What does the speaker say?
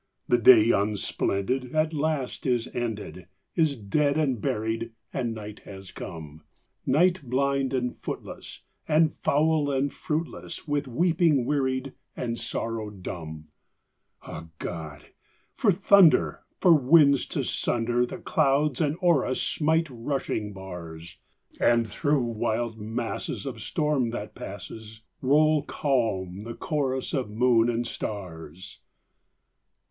The day, unsplendid, at last is ended, Is dead and buried, and night has come; Night, blind and footless, and foul and fruitless, With weeping wearied, and sorrow dumb. Ah, God! for thunder! for winds to sunder The clouds and o'er us smite rushing bars! And through wild masses of storm, that passes, Roll calm the chorus of moon and stars.